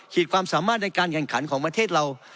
ความสามารถในการแข่งขันของประเทศเรา